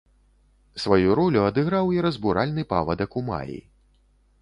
Сваю ролю адыграў і разбуральны павадак у маі.